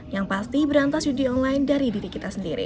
yang pasti berantas judi online dari diri kita sendiri